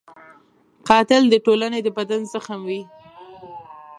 قاتل د ټولنې د بدن زخم وي